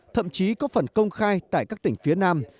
thậm chí có phần công khai tại các tỉnh phía nam